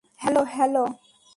Hello, hello!